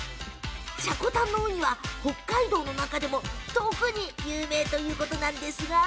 積丹のウニは、北海道の中でも特に有名なんですよ。